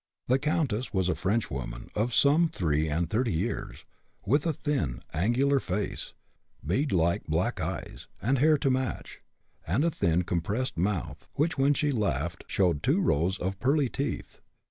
The countess was a Frenchwoman, of some three and thirty years, with a thin, angular face, bead like black eyes, and hair to match, and a thin compressed mouth, which when she laughed showed two rows of pearly teeth.